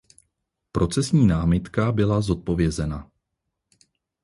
Procesní námitka byla zodpovězena.